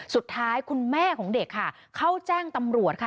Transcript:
สุดท้ายคุณแม่ของเด็กค่ะเข้าแจ้งตำรวจค่ะ